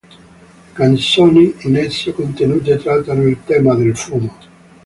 Le canzoni in esso contenute trattano il tema del fumo.